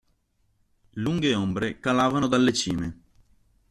Lunghe ombre calavano dalle cime.